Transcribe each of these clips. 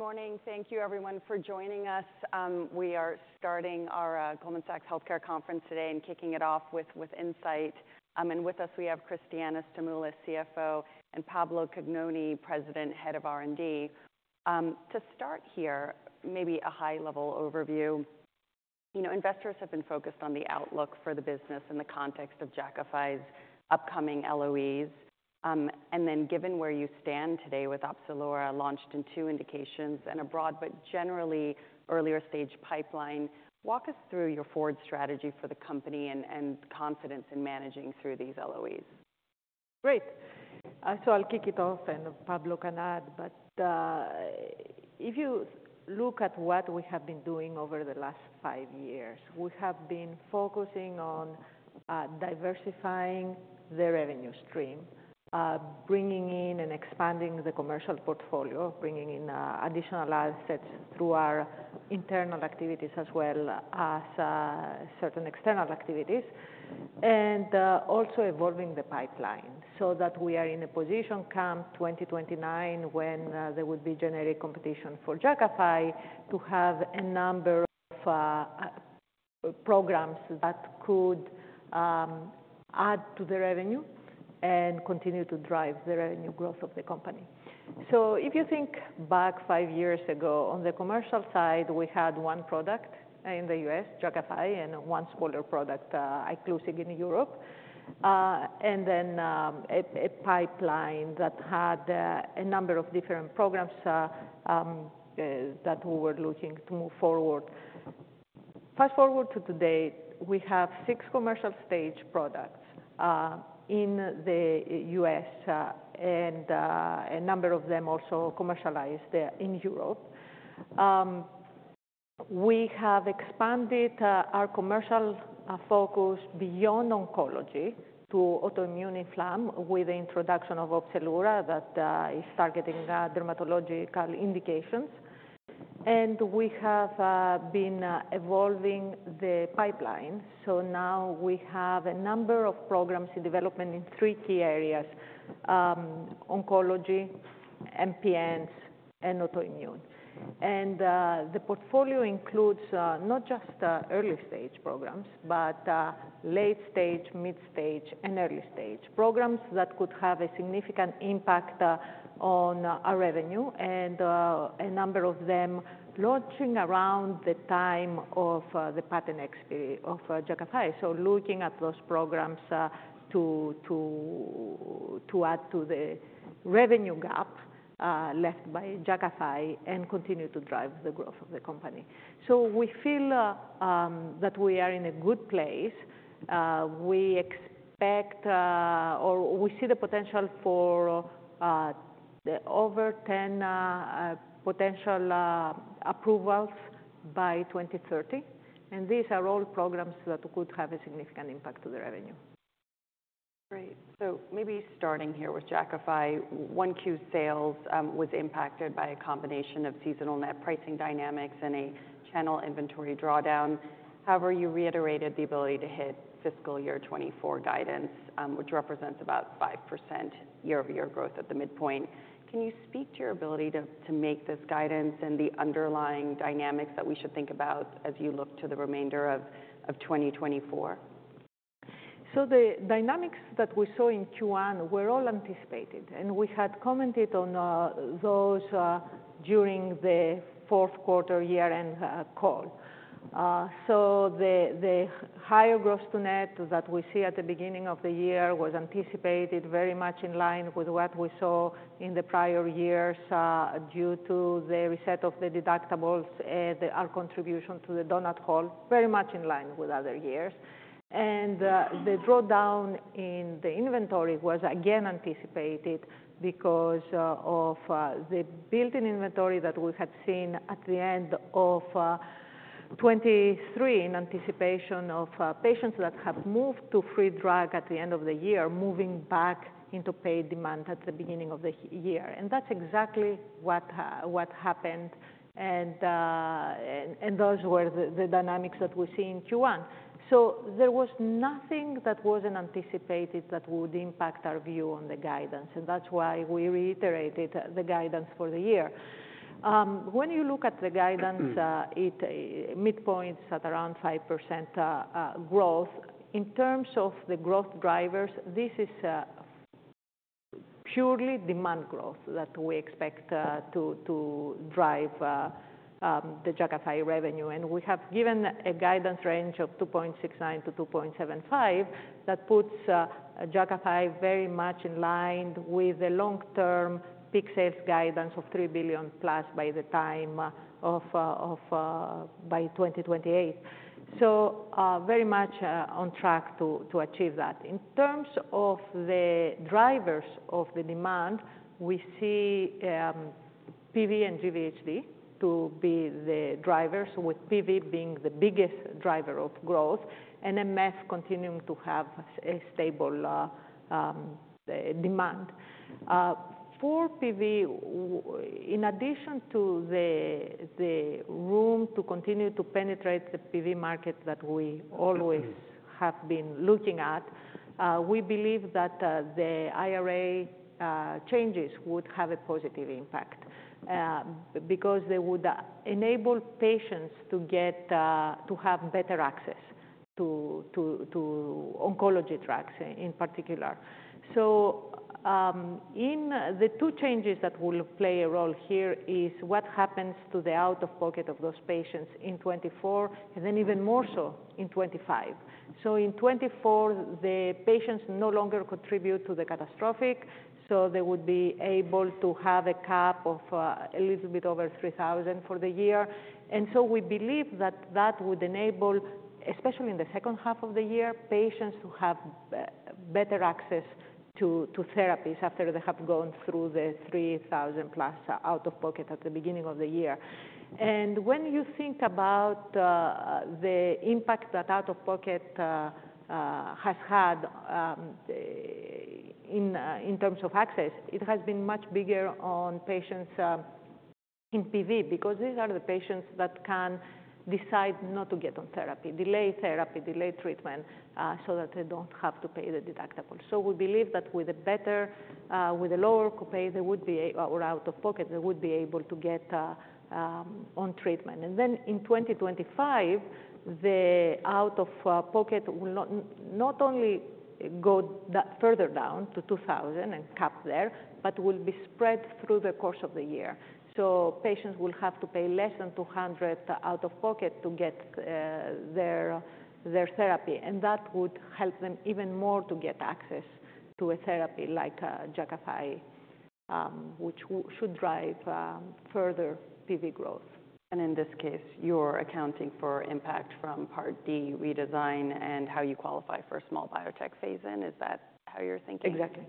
Good morning. Thank you, everyone, for joining us. We are starting our Goldman Sachs Healthcare Conference today and kicking it off with, with Incyte. And with us, we have Christiana Stamoulis, CFO, and Pablo Cagnoni, President, Head of R&D. To start here, maybe a high-level overview. You know, investors have been focused on the outlook for the business in the context of Jakafi's upcoming LOEs. And then given where you stand today with Opzelura launched in two indications and a broad but generally earlier stage pipeline, walk us through your forward strategy for the company and, and confidence in managing through these LOEs. Great. So I'll kick it off, and Pablo can add. But if you look at what we have been doing over the last five years, we have been focusing on diversifying the revenue stream, bringing in and expanding the commercial portfolio, bringing in additional assets through our internal activities as well as certain external activities, and also evolving the pipeline so that we are in a position come 2029 when there would be generic competition for Jakafi to have a number of programs that could add to the revenue and continue to drive the revenue growth of the company. So if you think back five years ago, on the commercial side, we had one product in the U.S., Jakafi, and one smaller product, Iclusig in Europe. And then a pipeline that had a number of different programs that we were looking to move forward. Fast forward to today, we have six commercial-stage products in the U.S., and a number of them also commercialized in Europe. We have expanded our commercial focus beyond oncology to autoimmune inflammation with the introduction of Opzelura that is targeting dermatological indications. We have been evolving the pipeline. So now we have a number of programs in development in three key areas: oncology, MPNs, and autoimmune. The portfolio includes not just early-stage programs, but late-stage, mid-stage, and early-stage programs that could have a significant impact on our revenue. A number of them launching around the time of the patent expiry of Jakafi. So looking at those programs to add to the revenue gap left by Jakafi and continue to drive the growth of the company. So we feel that we are in a good place. We expect, or we see the potential for, the over 10 potential approvals by 2030. And these are all programs that could have a significant impact to the revenue. Great. So maybe starting here with Jakafi, 1Q sales, was impacted by a combination of seasonal net pricing dynamics and a channel inventory drawdown. However, you reiterated the ability to hit fiscal year 2024 guidance, which represents about 5% year-over-year growth at the midpoint. Can you speak to your ability to make this guidance and the underlying dynamics that we should think about as you look to the remainder of 2024? So the dynamics that we saw in Q1 were all anticipated, and we had commented on those during the fourth quarter year-end call. So the higher gross-to-net that we see at the beginning of the year was anticipated very much in line with what we saw in the prior years, due to the reset of the deductibles and our contribution to the donut hole, very much in line with other years. And the drawdown in the inventory was again anticipated because of the built-in inventory that we had seen at the end of 2023 in anticipation of patients that have moved to free drug at the end of the year, moving back into paid demand at the beginning of the year. And that's exactly what happened. And those were the dynamics that we see in Q1. So there was nothing that wasn't anticipated that would impact our view on the guidance. That's why we reiterated the guidance for the year. When you look at the guidance, it midpoint is at around 5% growth. In terms of the growth drivers, this is purely demand growth that we expect to drive the Jakafi revenue. We have given a guidance range of $2.69 billion-$2.75 billion that puts Jakafi very much in line with the long-term peak sales guidance of $3 billion plus by the time of by 2028. So very much on track to achieve that. In terms of the drivers of the demand, we see PV and GVHD to be the drivers, with PV being the biggest driver of growth and MF continuing to have a stable demand. For PV, in addition to the room to continue to penetrate the PV market that we always have been looking at, we believe that the IRA changes would have a positive impact, because they would enable patients to get better access to oncology drugs in particular. So, in the two changes that will play a role here is what happens to the out-of-pocket of those patients in 2024 and then even more so in 2025. So in 2024, the patients no longer contribute to the catastrophic, so they would be able to have a cap of a little bit over $3,000 for the year. And so we believe that that would enable, especially in the second half of the year, patients to have better access to therapies after they have gone through the $3,000 plus out-of-pocket at the beginning of the year. When you think about the impact that out-of-pocket has had in terms of access, it has been much bigger on patients in PV because these are the patients that can decide not to get on therapy, delay therapy, delay treatment, so that they don't have to pay the deductible. So we believe that with a better, with a lower copay, they would be able, or out-of-pocket, they would be able to get on treatment. And then in 2025, the out-of-pocket will not only go that further down to $2,000 and cap there, but will be spread through the course of the year. So patients will have to pay less than $200 out-of-pocket to get their therapy. And that would help them even more to get access to a therapy like Jakafi, which should drive further PV growth. In this case, you're accounting for impact from Part D redesign and how you qualify for a small biotech phase-in. Is that how you're thinking? Exactly.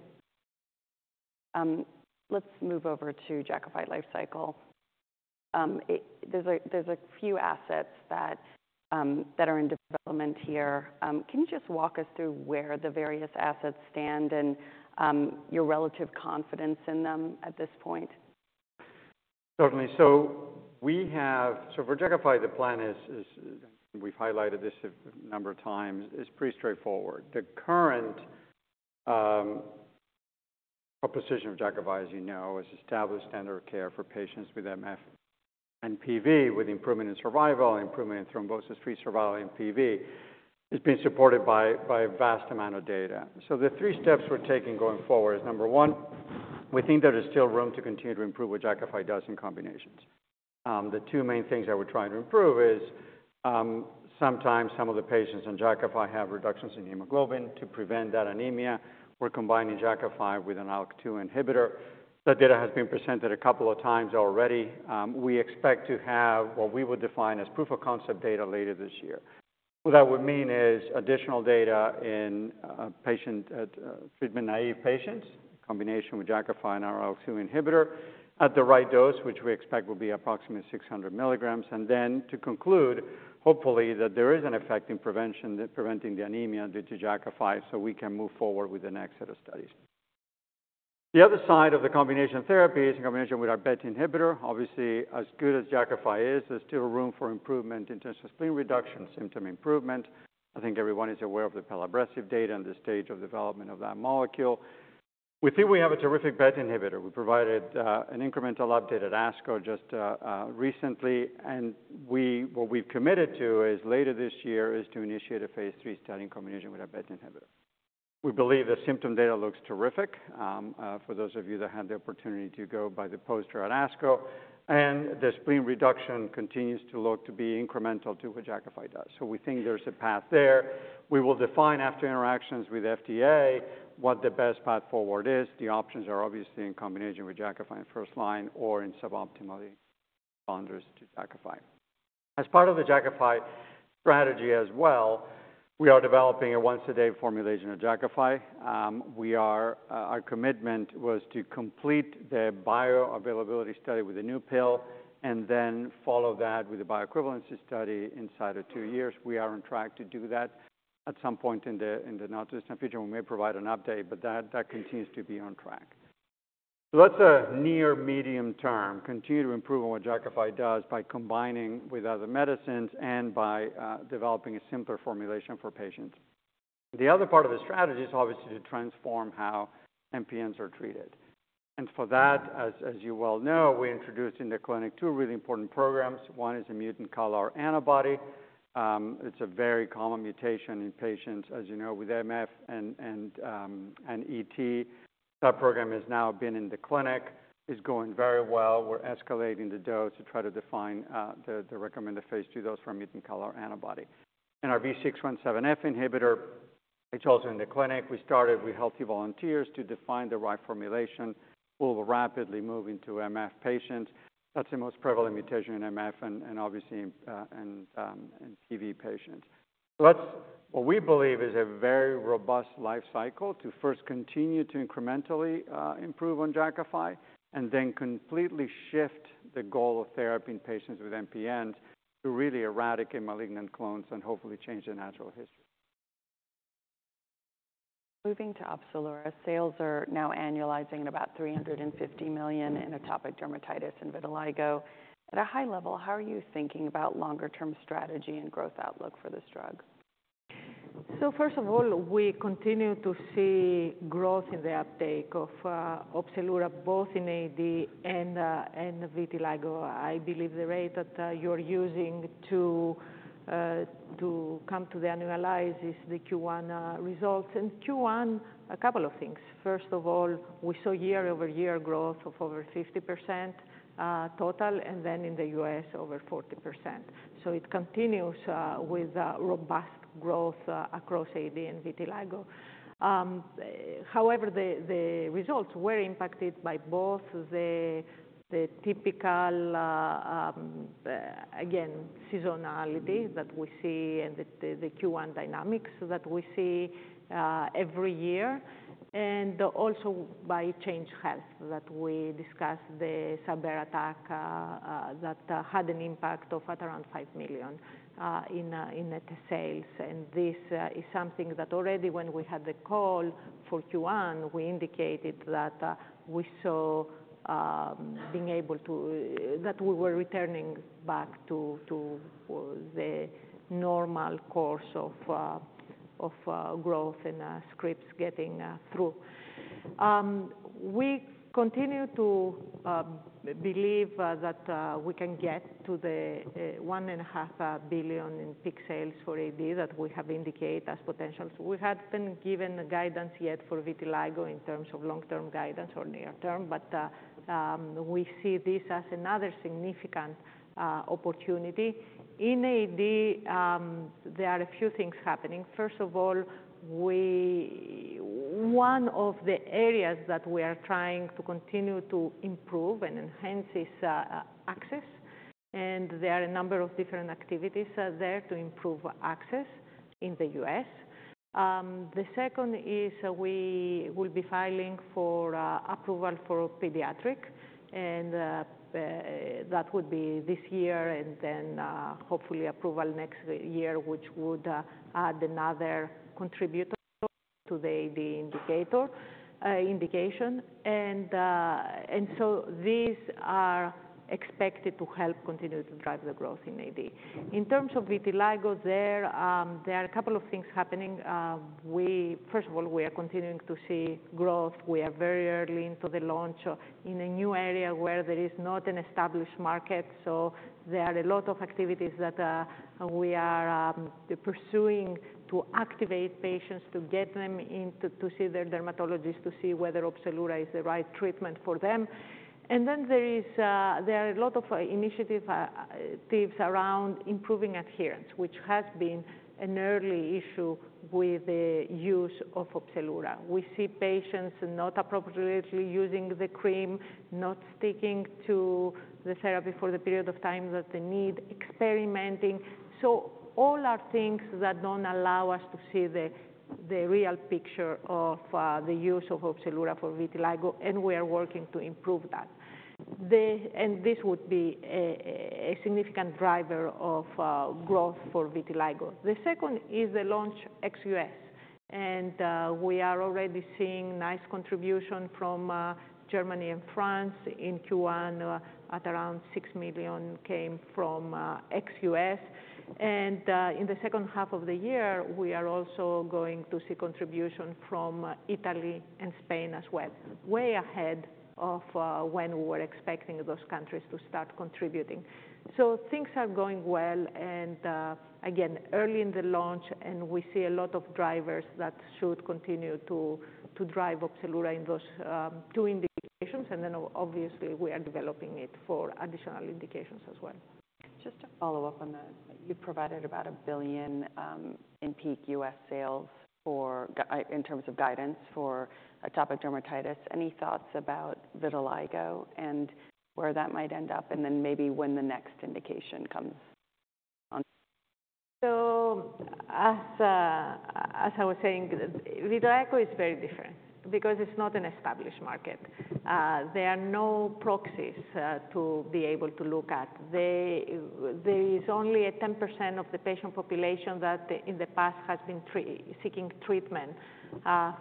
Let's move over to Jakafi lifecycle. There's a few assets that are in development here. Can you just walk us through where the various assets stand and your relative confidence in them at this point? Certainly. So for Jakafi, the plan is, and we've highlighted this a number of times, is pretty straightforward. The current proposition of Jakafi, as you know, is established standard of care for patients with MF and PV with improvement in survival and improvement in thrombosis-free survival in PV. It's been supported by a vast amount of data. So the three steps we're taking going forward is number one, we think there is still room to continue to improve what Jakafi does in combinations. The two main things that we're trying to improve is, sometimes some of the patients on Jakafi have reductions in hemoglobin to prevent that anemia. We're combining Jakafi with an ALK2 inhibitor. That data has been presented a couple of times already. We expect to have what we would define as proof of concept data later this year. What that would mean is additional data in patient treatment-naive patients in combination with Jakafi and our ALK2 inhibitor at the right dose, which we expect will be approximately 600 milligrams. Then to conclude, hopefully, that there is an effect in prevention that preventing the anemia due to Jakafi so we can move forward with the next set of studies. The other side of the combination therapy is in combination with our BET inhibitor. Obviously, as good as Jakafi is, there's still room for improvement in terms of spleen reduction symptom improvement. I think everyone is aware of the palliative data and the stage of development of that molecule. We think we have a terrific BET inhibitor. We provided an incremental update at ASCO just recently. And what we've committed to is later this year to initiate a phase III study in combination with our BET inhibitor. We believe the symptom data looks terrific, for those of you that had the opportunity to go by the poster at ASCO. The spleen reduction continues to look to be incremental to what Jakafi does. So we think there's a path there. We will define after interactions with FDA what the best path forward is. The options are obviously in combination with Jakafi in first line or in suboptimal boundaries to Jakafi. As part of the Jakafi strategy as well, we are developing a once-a-day formulation of Jakafi. Our commitment was to complete the bioavailability study with a new pill and then follow that with a bioequivalence study inside of two years. We are on track to do that at some point in the not-too-distant future. We may provide an update, but that continues to be on track. So that's a near-medium term. Continue to improve on what Jakafi does by combining with other medicines and by developing a simpler formulation for patients. The other part of the strategy is obviously to transform how MPNs are treated. And for that, as you well know, we introduced in the clinic two really important programs. One is a mutant CALR antibody. It's a very common mutation in patients, as you know, with MF and ET. That program has now been in the clinic, is going very well. We're escalating the dose to try to define the recommended phase II dose for mutant CALR antibody. And our V617F inhibitor, it's also in the clinic. We started with healthy volunteers to define the right formulation. We'll rapidly move into MF patients. That's the most prevalent mutation in MF and obviously in PV patients. So that's what we believe is a very robust lifecycle to first continue to incrementally improve on Jakafi and then completely shift the goal of therapy in patients with MPNs to really eradicate malignant clones and hopefully change the natural history. Moving to Opzelura, sales are now annualizing at about $350 million in atopic dermatitis and vitiligo. At a high level, how are you thinking about longer-term strategy and growth outlook for this drug? So first of all, we continue to see growth in the uptake of Opzelura both in AD and vitiligo. I believe the rate that you're using to come to the annualize is the Q1 results. And Q1, a couple of things. First of all, we saw year-over-year growth of over 50% total, and then in the U.S. over 40%. So it continues with robust growth across AD and vitiligo. However, the results were impacted by both the typical, again, seasonality that we see and the Q1 dynamics that we see every year. And also by Change Healthcare that we discussed, the cyber attack that had an impact of around $5 million in net sales. This is something that already when we had the call for Q1, we indicated that we saw being able to that we were returning back to the normal course of growth and scripts getting through. We continue to believe that we can get to the $1.5 billion in peak sales for AD that we have indicated as potential. So we hadn't been given guidance yet for vitiligo in terms of long-term guidance or near term, but we see this as another significant opportunity. In AD, there are a few things happening. First of all, one of the areas that we are trying to continue to improve and enhance is access. And there are a number of different activities there to improve access in the U.S. The second is we will be filing for approval for pediatric. That would be this year and then, hopefully approval next year, which would add another contributor to the AD indication. And so these are expected to help continue to drive the growth in AD. In terms of vitiligo, there are a couple of things happening. First of all, we are continuing to see growth. We are very early into the launch in a new area where there is not an established market. So there are a lot of activities that we are pursuing to activate patients to get them in to see their dermatologist, to see whether Opzelura is the right treatment for them. And then there are a lot of initiatives, teams around improving adherence, which has been an early issue with the use of Opzelura. We see patients not appropriately using the cream, not sticking to the therapy for the period of time that they need, experimenting. So all are things that don't allow us to see the real picture of the use of Opzelura for vitiligo, and we are working to improve that. And this would be a significant driver of growth for vitiligo. The second is the ex-U.S. launch. And we are already seeing nice contribution from Germany and France in Q1, at around $6 million came from ex-U.S. And in the second half of the year, we are also going to see contribution from Italy and Spain as well, way ahead of when we were expecting those countries to start contributing. So things are going well. Again, early in the launch, and we see a lot of drivers that should continue to drive Opzelura in those two indications. And then obviously we are developing it for additional indications as well. Just to follow up on that, you provided about $1 billion in peak U.S. sales for, in terms of guidance for atopic dermatitis. Any thoughts about vitiligo and where that might end up and then maybe when the next indication comes? So, as I was saying, vitiligo is very different because it's not an established market. There are no proxies to be able to look at. There is only 10% of the patient population that in the past has been seeking treatment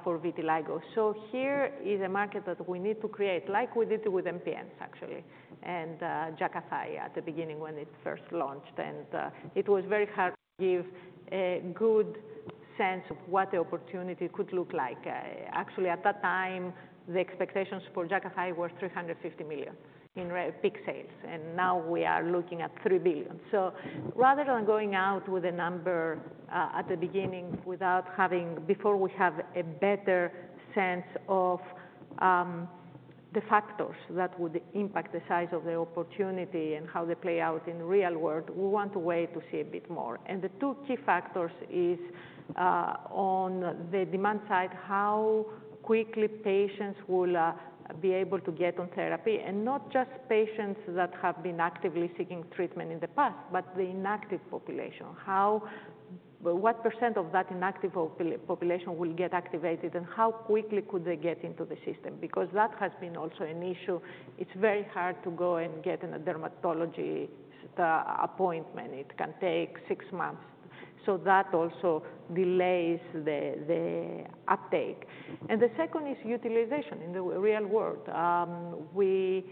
for vitiligo. So here is a market that we need to create, like we did with MPNs actually, and Jakafi at the beginning when it first launched. And it was very hard to give a good sense of what the opportunity could look like. Actually at that time, the expectations for Jakafi were $350 million in peak sales. And now we are looking at $3 billion. So rather than going out with a number at the beginning without having, before we have a better sense of the factors that would impact the size of the opportunity and how they play out in the real world, we want to wait to see a bit more. And the two key factors is, on the demand side, how quickly patients will be able to get on therapy and not just patients that have been actively seeking treatment in the past, but the inactive population. How, what percent of that inactive population will get activated and how quickly could they get into the system? Because that has been also an issue. It's very hard to go and get in a dermatologist appointment. It can take six months. So that also delays the uptake. And the second is utilization in the real world. We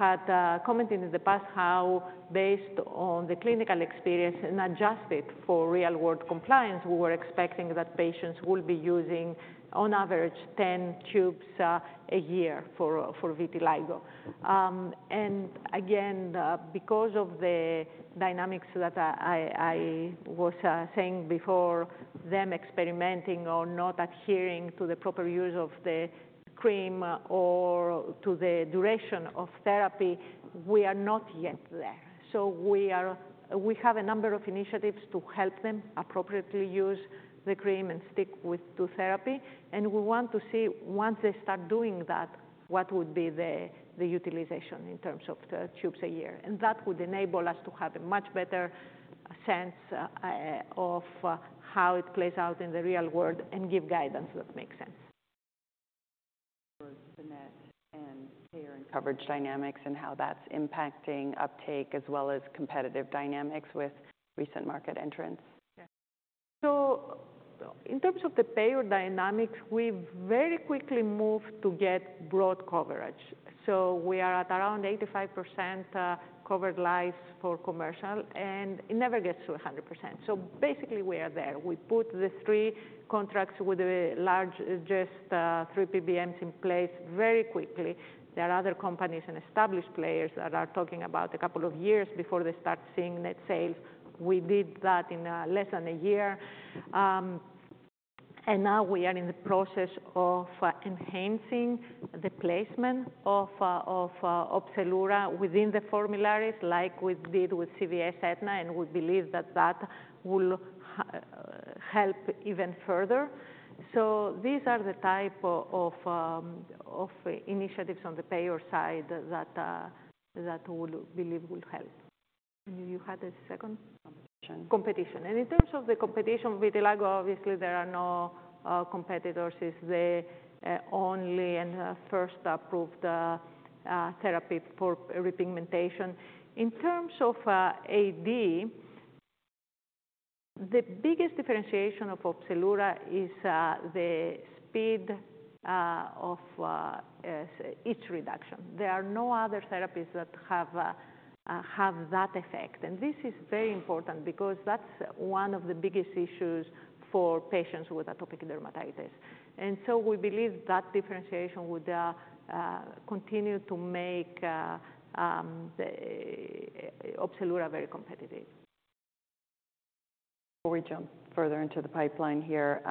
had commented in the past how based on the clinical experience and adjusted for real-world compliance, we were expecting that patients will be using on average 10 tubes a year for vitiligo. And again, because of the dynamics that I was saying before, them experimenting or not adhering to the proper use of the cream or to the duration of therapy, we are not yet there. So we have a number of initiatives to help them appropriately use the cream and stick with to therapy. And we want to see once they start doing that, what would be the utilization in terms of the tubes a year. And that would enable us to have a much better sense of how it plays out in the real world and give guidance that makes sense. For benefit and payer and coverage dynamics and how that's impacting uptake as well as competitive dynamics with recent market entrance? So in terms of the payer dynamics, we very quickly moved to get broad coverage. So we are at around 85% covered lives for commercial and it never gets to 100%. So basically we are there. We put the three contracts with the large, just, three PBMs in place very quickly. There are other companies and established players that are talking about a couple of years before they start seeing net sales. We did that in less than a year. And now we are in the process of enhancing the placement of Opzelura within the formularies like we did with CVS Aetna. And we believe that that will help even further. So these are the type of initiatives on the payer side that we believe will help. You had a second? Competition. Competition. In terms of the competition, vitiligo, obviously there are no competitors. It's the only and first approved therapy for repigmentation. In terms of AD, the biggest differentiation of Opzelura is the speed of its reduction. There are no other therapies that have, have that effect. And this is very important because that's one of the biggest issues for patients with atopic dermatitis. And so we believe that differentiation would continue to make the Opzelura very competitive. Before we jump further into the pipeline here,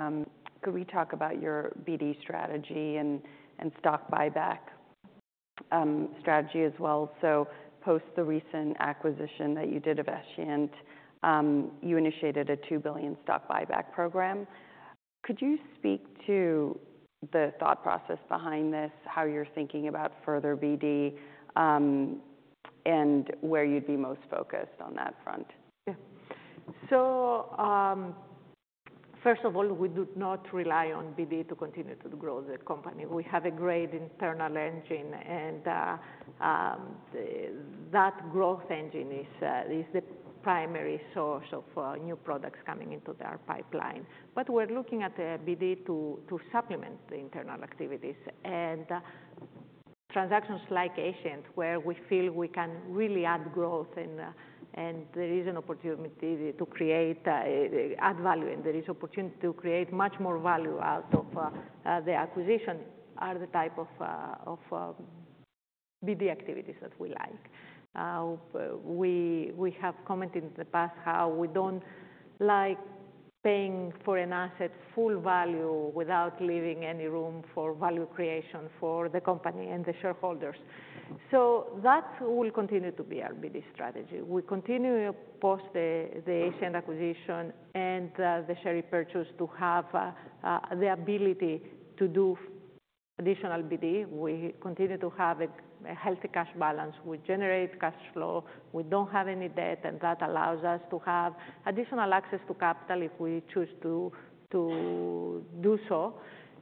could we talk about your BD strategy and stock buyback strategy as well? So post the recent acquisition that you did of Escient, you initiated a $2 billion stock buyback program. Could you speak to the thought process behind this, how you're thinking about further BD, and where you'd be most focused on that front? Yeah. So, first of all, we do not rely on BD to continue to grow the company. We have a great internal engine and that growth engine is the primary source of new products coming into our pipeline. But we're looking at BD to supplement the internal activities and transactions like Escient where we feel we can really add growth and there is an opportunity to create add value and there is opportunity to create much more value out of the acquisition are the type of BD activities that we like. We have commented in the past how we don't like paying for an asset full value without leaving any room for value creation for the company and the shareholders. So that will continue to be our BD strategy. We continue post the Escient acquisition and the Escient purchase to have the ability to do additional BD. We continue to have a healthy cash balance. We generate cash flow. We don't have any debt and that allows us to have additional access to capital if we choose to do so.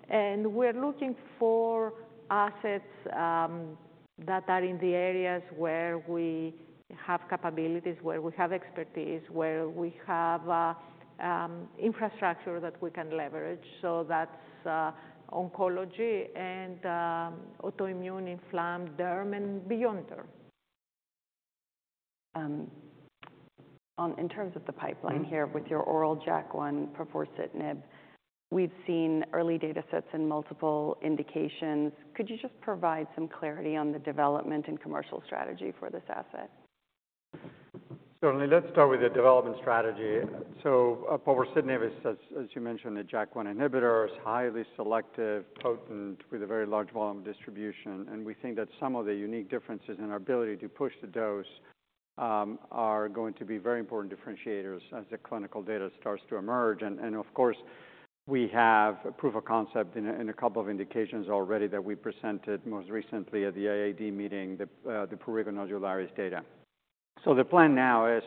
We are looking for assets that are in the areas where we have capabilities, where we have expertise, where we have infrastructure that we can leverage. So that's oncology and autoimmune inflammation, derm and beyond derm. on, in terms of the pipeline here with your oral JAK1, povorcitinib, we've seen early datasets and multiple indications. Could you just provide some clarity on the development and commercial strategy for this asset? Certainly. Let's start with the development strategy. So povorcitinib is, as you mentioned, a JAK1 inhibitor, highly selective, potent with a very large volume distribution. And we think that some of the unique differences in our ability to push the dose are going to be very important differentiators as the clinical data starts to emerge. And of course we have proof of concept in a couple of indications already that we presented most recently at the AAD meeting, the prurigo nodularis data. So the plan now is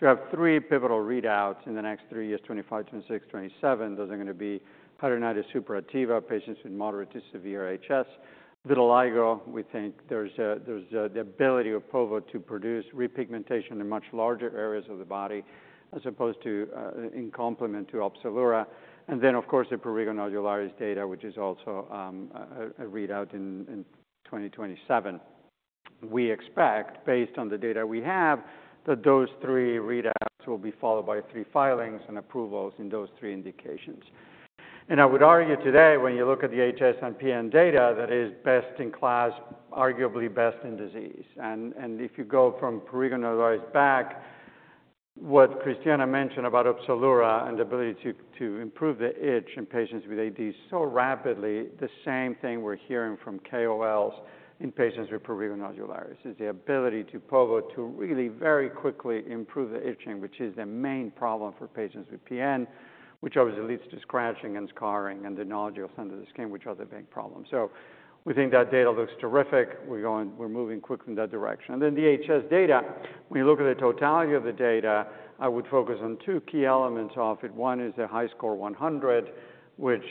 to have three pivotal readouts in the next three years, 2025, 2026, 2027. Those are going to be hidradenitis suppurativa, patients with moderate to severe HS, vitiligo. We think there's the ability of Pova to produce repigmentation in much larger areas of the body as opposed to, in complement to Opzelura. And then of course the prurigo nodularis data, which is also a readout in 2027. We expect based on the data we have that those three readouts will be followed by three filings and approvals in those three indications. And I would argue today when you look at the HS and PN data, that is best in class, arguably best in disease. And if you go from prurigo nodularis back, what Christiana mentioned about Opzelura and the ability to improve the itch in patients with AD so rapidly, the same thing we're hearing from KOLs in patients with prurigo nodularis is the ability to Pova to really very quickly improve the itching, which is the main problem for patients with PN, which obviously leads to scratching and scarring and the nodules under the skin, which are the big problem. So we think that data looks terrific. We're going, we're moving quickly in that direction. And then the HS data, when you look at the totality of the data, I would focus on two key elements of it. One is the HiSCR100, which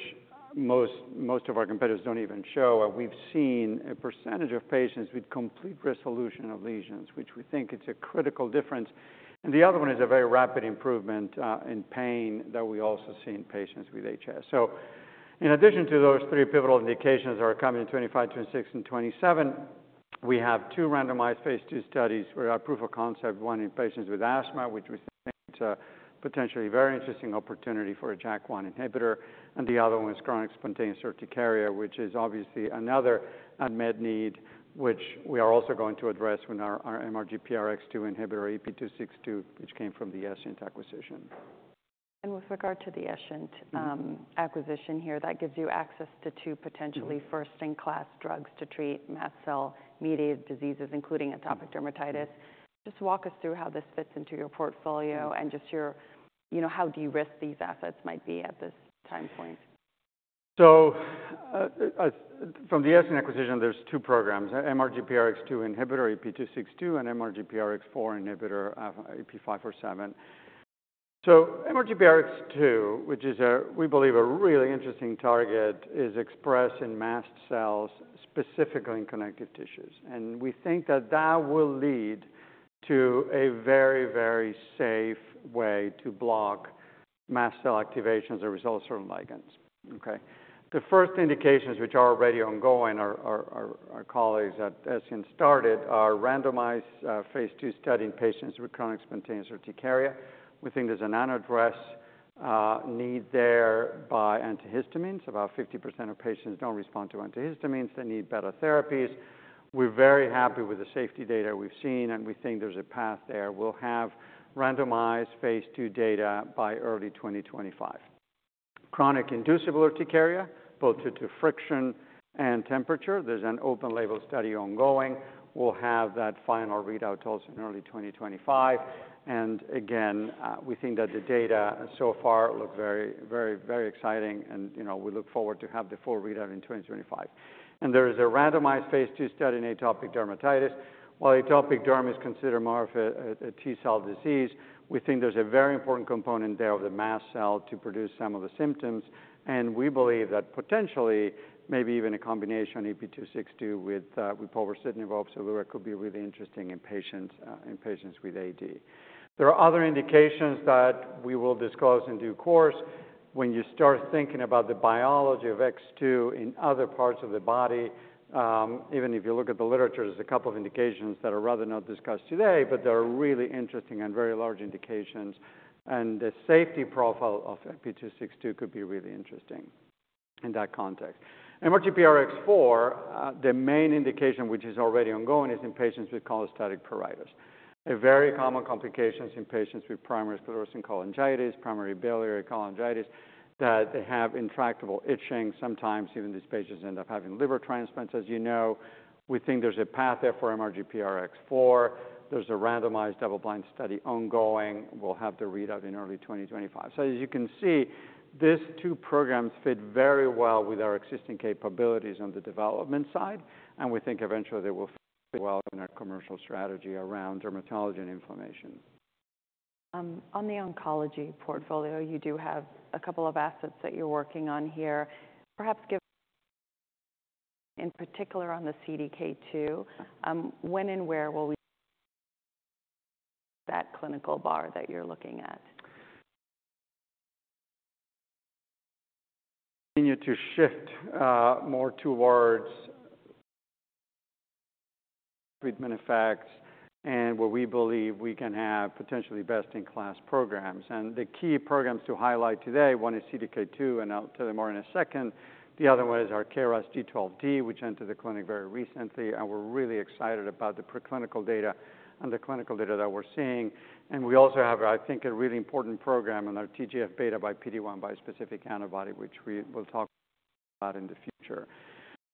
most, most of our competitors don't even show. We've seen a percentage of patients with complete resolution of lesions, which we think it's a critical difference. And the other one is a very rapid improvement, in pain that we also see in patients with HS. So in addition to those three pivotal indications that are coming in 2025, 2026, and 2027, we have two randomized phase II studies where our proof of concept, one in patients with asthma, which we think it's a potentially very interesting opportunity for a JAK1 inhibitor. The other one is chronic spontaneous urticaria, which is obviously another unmet need, which we are also going to address with our MRGPRX2 inhibitor, EP262, which came from the Escient acquisition. And with regard to the Escient acquisition here, that gives you access to two potentially first-in-class drugs to treat mast cell mediated diseases, including atopic dermatitis. Just walk us through how this fits into your portfolio and just your, you know, how de-risked these assets might be at this time point? So, from the Escient acquisition, there are two programs, MRGPRX2 inhibitor, EP262, and MRGPRX4 inhibitor, EP547. So MRGPRX2, which is a, we believe a really interesting target, is expressed in mast cells specifically in connective tissues. And we think that that will lead to a very, very safe way to block mast cell activations as a result of certain ligands. Okay. The first indications, which are already ongoing, our colleagues at Escient started are randomized phase II study in patients with chronic spontaneous urticaria. We think there's an unaddressed need there by antihistamines. About 50% of patients don't respond to antihistamines. They need better therapies. We're very happy with the safety data we've seen and we think there's a path there. We'll have randomized phase II data by early 2025. Chronic inducible urticaria, both due to friction and temperature. There's an open label study ongoing. We'll have that final readout also in early 2025. And again, we think that the data so far look very, very, very exciting. And, you know, we look forward to have the full readout in 2025. And there is a randomized phase II study in atopic dermatitis. While atopic derm is considered more of a T cell disease, we think there's a very important component there of the mast cell to produce some of the symptoms. And we believe that potentially maybe even a combination EP262 with povorcitinib, Opzelura could be really interesting in patients, in patients with AD. There are other indications that we will disclose in due course. When you start thinking about the biology of CDK2 in other parts of the body, even if you look at the literature, there's a couple of indications that are rather not discussed today, but they're really interesting and very large indications. The safety profile of EP262 could be really interesting in that context. MRGPRX4, the main indication, which is already ongoing, is in patients with cholestatic pruritus, a very common complication in patients with primary sclerosing cholangitis, primary biliary cholangitis that they have intractable itching. Sometimes even these patients end up having liver transplants. As you know, we think there's a path there for MRGPRX4. There's a randomized double-blind study ongoing. We'll have the readout in early 2025. So as you can see, these two programs fit very well with our existing capabilities on the development side. We think eventually they will fit well in our commercial strategy around dermatology and inflammation. On the oncology portfolio, you do have a couple of assets that you're working on here. Perhaps give us, in particular, on the CDK2, when and where will we see that clinical data that you're looking at? Continue to shift more towards treatment effects and where we believe we can have potentially best-in-class programs. The key programs to highlight today, one is CDK2, and I'll tell you more in a second. The other one is our KRAS G12D, which entered the clinic very recently. And we're really excited about the preclinical data and the clinical data that we're seeing. And we also have, I think, a really important program in our TGF-β/PD-1 bispecific antibody, which we will talk about in the future.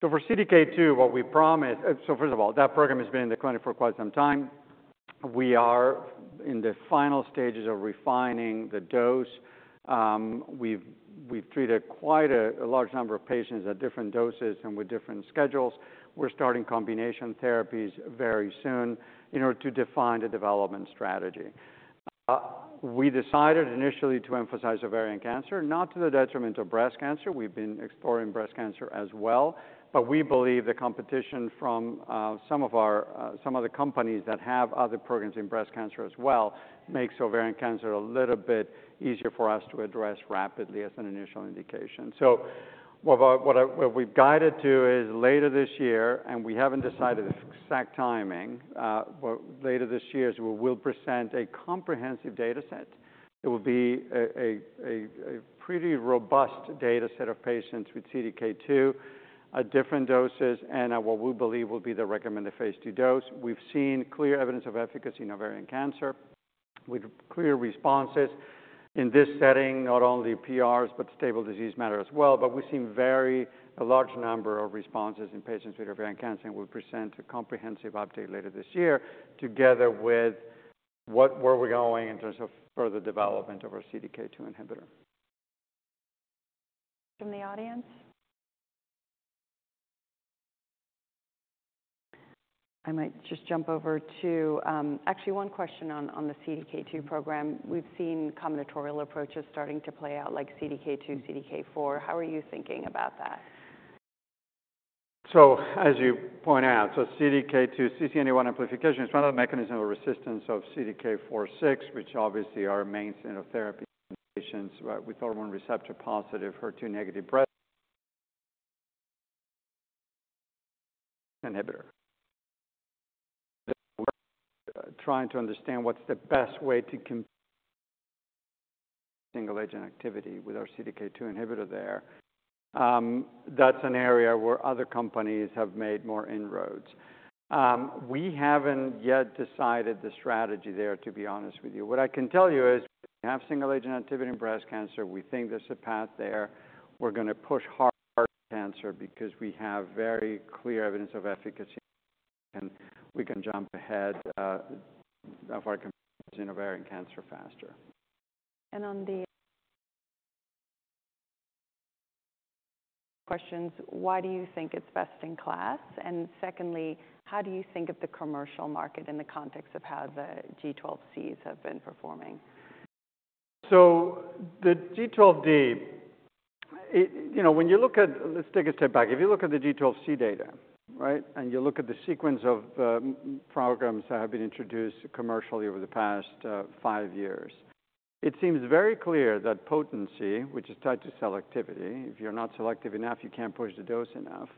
So for CDK2, what we promised, so first of all, that program has been in the clinic for quite some time. We are in the final stages of refining the dose. We've treated quite a large number of patients at different doses and with different schedules. We're starting combination therapies very soon in order to define the development strategy. We decided initially to emphasize ovarian cancer, not to the detriment of breast cancer. We've been exploring breast cancer as well, but we believe the competition from, some of our, some of the companies that have other programs in breast cancer as well makes ovarian cancer a little bit easier for us to address rapidly as an initial indication. So what we've guided to is later this year, and we haven't decided the exact timing, but later this year is we will present a comprehensive dataset. It will be a pretty robust dataset of patients with CDK2, different doses, and, what we believe will be the recommended phase II dose. We've seen clear evidence of efficacy in ovarian cancer with clear responses in this setting, not only PRs, but stable disease matter as well. We've seen very large number of responses in patients with ovarian cancer. We'll present a comprehensive update later this year together with where we're going in terms of further development of our CDK2 inhibitor. From the audience? I might just jump over to, actually one question on the CDK2 program. We've seen combinatorial approaches starting to play out like CDK2, CDK4. How are you thinking about that? So as you point out, CDK2, CCNE1 amplification is one of the mechanisms of resistance to CDK4/6, which obviously are mainstream therapy in patients with hormone receptor positive, HER2 negative breast cancer. We're trying to understand what's the best way to combine single agent activity with our CDK2 inhibitor there. That's an area where other companies have made more inroads. We haven't yet decided the strategy there, to be honest with you. What I can tell you is we have single agent activity in breast cancer. We think there's a path there. We're going to push hard in cancer because we have very clear evidence of efficacy. And we can jump ahead of our combination in ovarian cancer faster. On the questions, why do you think it's best in class? And secondly, how do you think of the commercial market in the context of how the G12Cs have been performing? So the G12D, you know, when you look at, let's take a step back. If you look at the G12C data, right, and you look at the sequence of programs that have been introduced commercially over the past five years, it seems very clear that potency, which is tied to selectivity, if you're not selective enough, you can't push the dose enough,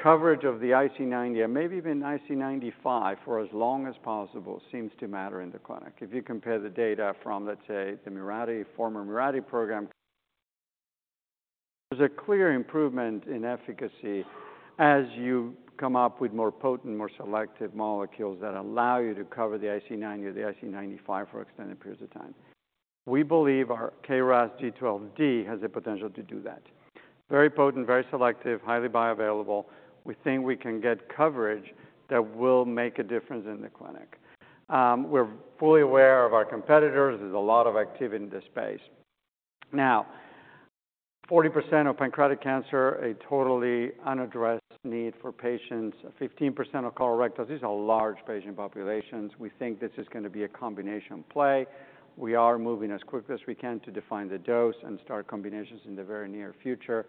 coverage of the IC90 and maybe even IC95 for as long as possible seems to matter in the clinic. If you compare the data from, let's say, the Mirati, former Mirati program, there's a clear improvement in efficacy as you come up with more potent, more selective molecules that allow you to cover the IC90 or the IC95 for extended periods of time. We believe our KRAS G12D has the potential to do that. Very potent, very selective, highly bioavailable. We think we can get coverage that will make a difference in the clinic. We're fully aware of our competitors. There's a lot of activity in this space. Now, 40% of pancreatic cancer, a totally unaddressed need for patients, 15% of colorectal disease, a large patient population. We think this is going to be a combination play. We are moving as quickly as we can to define the dose and start combinations in the very near future.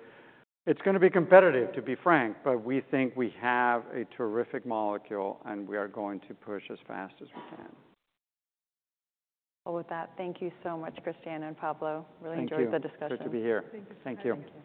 It's going to be competitive, to be frank, but we think we have a terrific molecule and we are going to push as fast as we can. Well, with that, thank you so much, Christiana and Pablo. Really enjoyed the discussion. Good to be here. Thank you.